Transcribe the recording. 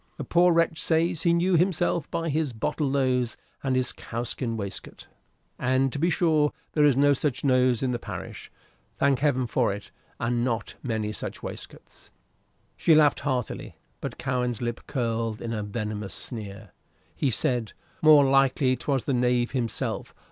"The poor wretch says he knew himself by his bottle nose and his cowskin waistcoat; and, to be sure, there is no such nose in the parish thank Heaven for't! and not many such waistcoats." She laughed heartily, but Cowen's lip curled in a venomous sneer. He said: "More likely 'twas the knave himself.